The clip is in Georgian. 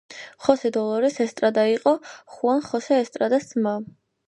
ხოსე დოლორეს ესტრადა იყო ხუან ხოსე ესტრადას ძმა.